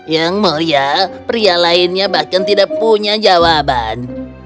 yang mulia pria lainnya bahkan tidak punya jawaban